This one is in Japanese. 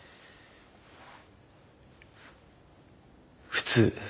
普通。